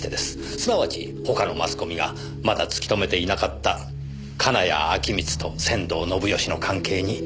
すなわち他のマスコミがまだ突き止めていなかった金谷陽充と仙道信義の関係に気づいていたんです。